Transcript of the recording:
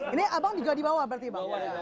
ini abang juga di bawah berarti bawahnya